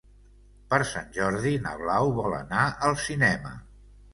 Per Sant Jordi na Blau vol anar al cinema.